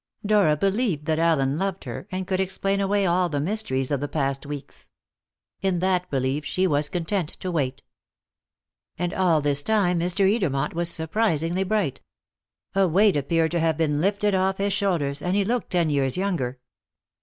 Dora believed that Allen loved her, and could explain away all the mysteries of the past weeks. In that belief she was content to wait. And all this time Mr. Edermont was surprisingly bright. A weight appeared to have been lifted off his shoulders, and he looked ten years younger.